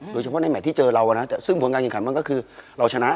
โดยเฉพาะในแมทที่เจอเรานะซึ่งผลการแข่งขันมันก็คือเราชนะ